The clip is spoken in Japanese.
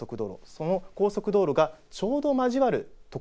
その高速道路がちょうど交わる所